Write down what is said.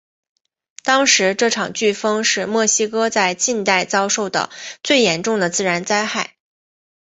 当时这场飓风是墨西哥在近代遭受的最严重的自然灾害。